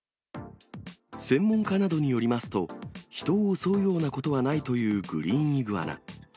専門家などによりますと、人を襲うようなことはないというグリーンイグアナ。